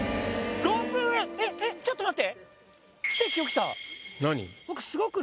えっえっちょっと待って。